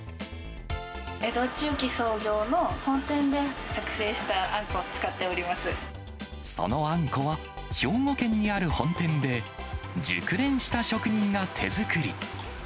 江戸中期創業の本店で作製しそのあんこは、兵庫県にある本店で熟練した職人が手作り。